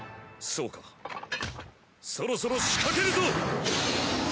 そうかそろそろ仕掛けるぞ！